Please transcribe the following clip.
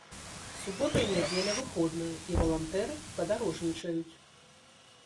Субота і нядзеля выходныя і валантэры падарожнічаюць.